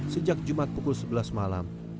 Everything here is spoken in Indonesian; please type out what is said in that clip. sejak jumat pukul sebelas malam